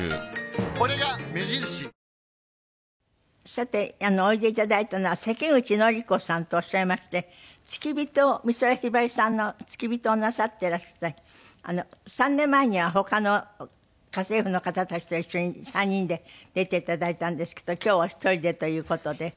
さておいでいただいたのは関口範子さんとおっしゃいまして付き人を美空ひばりさんの付き人をなさってらして３年前には他の家政婦の方たちと一緒に３人で出ていただいたんですけど今日はお一人でという事で。